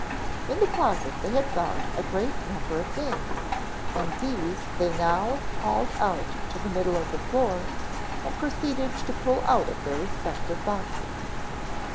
In the closet they had found a great number of games, and these they now hauled out to the middle of the floor and proceeded to pull out of their respective boxes.